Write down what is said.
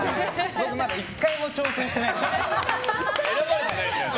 僕まだ１回も挑戦してないんです。